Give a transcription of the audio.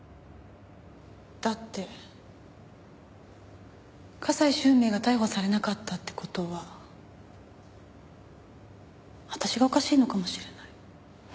だって加西周明が逮捕されなかったって事は私がおかしいのかもしれない。